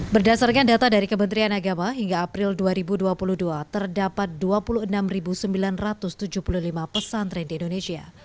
berdasarkan data dari kementerian agama hingga april dua ribu dua puluh dua terdapat dua puluh enam sembilan ratus tujuh puluh lima pesantren di indonesia